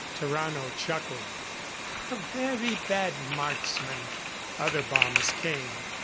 Tarrano chuckled. "A very bad marksman." Other bombs came.